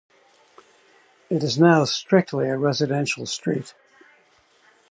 It is now strictly a residential street.